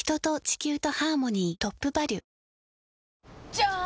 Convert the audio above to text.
じゃーん！